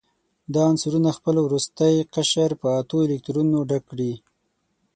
دا عنصرونه خپل وروستی قشر په اتو الکترونونو ډک کړي.